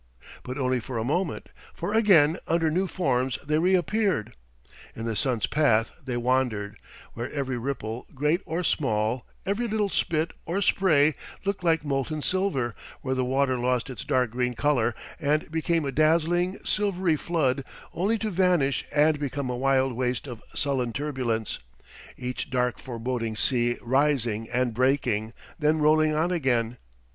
But only for a moment, for again under new forms they reappeared. In the sun's path they wandered, where every ripple, great or small, every little spit or spray looked like molten silver, where the water lost its dark green color and became a dazzling, silvery flood, only to vanish and become a wild waste of sullen turbulence, each dark foreboding sea rising and breaking, then rolling on again.